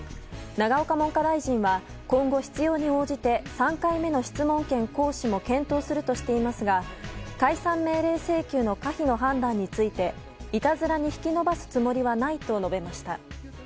永岡文科大臣は今後必要に応じて３回目の質問権行使も検討するとしていますが解散命令請求の可否の判断についていたずらに引き延ばすつもりはないと述べました。